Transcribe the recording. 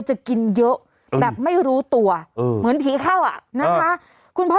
จะกินเยอะแบบไม่รู้ตัวเหมือนผีเข้าอ่ะนะคะคุณพ่อ